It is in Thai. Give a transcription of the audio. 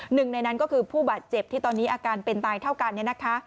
หนึ่งในนั้นก็คือผู้บาดเจ็บที่ตอนนี้อาการเป็นตายเท่ากันเนี่ยนะคะ